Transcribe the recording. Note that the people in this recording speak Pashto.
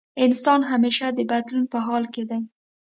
انسان همېشه د بدلون په حال کې دی.